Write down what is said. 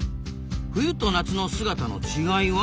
「冬と夏の姿の違いは？」。